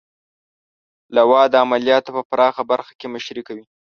لوا د عملیاتو په پراخه برخه کې مشري کوي.